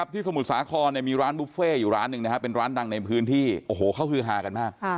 ที่สมุทรสาครมีร้านบุฟเฟ่อยู่ร้านหนึ่งเป็นร้านดังในพื้นที่เขาคือฮากันมาก